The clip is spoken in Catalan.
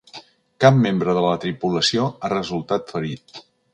Cap membre de la tripulació ha resultat ferit.